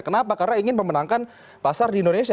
kenapa karena ingin memenangkan pasar di indonesia